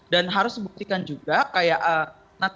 dan harus dibuktikan juga